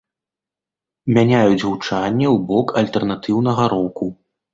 Мяняюць гучанне ў бок альтэрнатыўнага року.